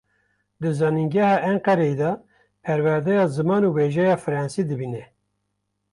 Di zanîngeha Enqereyê de, perwerdeya ziman û wêjeya fransî dibîne.